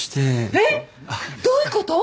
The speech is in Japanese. えっ！？どういうこと？